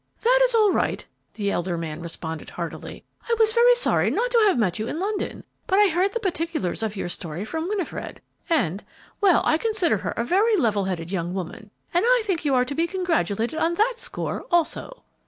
"That is all right," the elder man responded heartily; "I was very sorry not to have met you in London, but I heard the particulars of your story from Winifred, and well, I consider her a very level headed young woman, and I think you are to be congratulated on that score also."